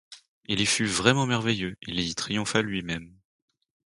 Il y fut vraiment merveilleux, il y triompha lui-même.